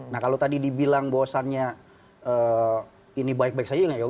nah kalau tadi dibilang bahwasannya ini baik baik saja nggak ya